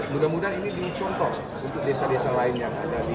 mudah mudahan ini dicontoh untuk desa desa lain yang ada di